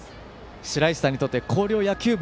しらいしさんにとって広陵野球部